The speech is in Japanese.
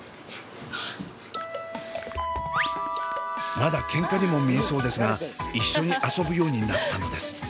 まだケンカにも見えそうですが一緒に遊ぶようになったのです。